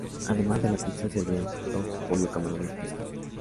Además de la pizza, servían hot dogs, pollo, camarones y pescado.